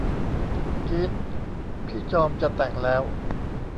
กี๊ด พี่จอมจะแต่งแล้ว